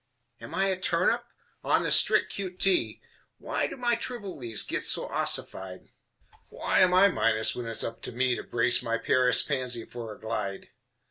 Am I a turnip? On the strict Q.T., Why do my Trilbys get so ossified? Why am I minus when it's up to me To brace my Paris Pansy for a glide?